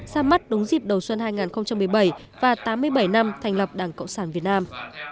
ra mắt đúng dịp đầu xuân hai nghìn một mươi bảy và tám mươi bảy năm thành lập đảng cộng sản việt nam